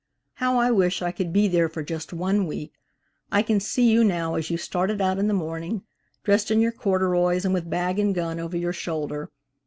How I wish I could be there for just one week! I can see you now as you started out in the morning, dressed in your corduroys and with bag and gun over your shoulder.